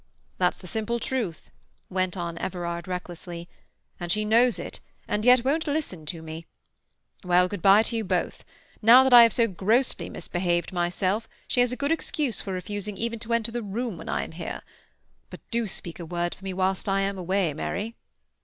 "That's the simple truth," went on Everard recklessly, "and she knows it, and yet won't listen to me. Well, good bye to you both! Now that I have so grossly misbehaved myself, she has a good excuse for refusing even to enter the room when I am here. But do speak a word for me whilst I am away, Mary."